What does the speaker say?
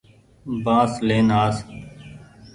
بآس لين آس۔